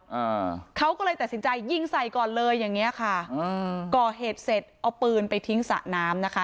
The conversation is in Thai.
อ่าเขาก็เลยตัดสินใจยิงใส่ก่อนเลยอย่างเงี้ยค่ะอ่าก่อเหตุเสร็จเอาปืนไปทิ้งสระน้ำนะคะ